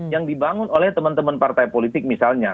yang dibangun oleh teman teman partai politik misalnya